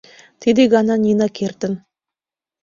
Тиде гана Нина кертын.